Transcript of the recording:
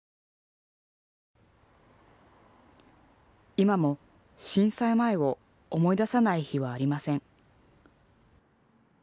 今も震災前を思い出さない日はありません。